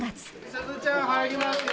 スズちゃん入りますよ。